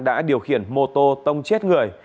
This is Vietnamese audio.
đã điều khiển mô tô tông chết người